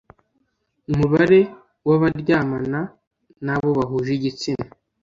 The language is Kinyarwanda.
Mubare w abaryamana n abo bahuje igitsina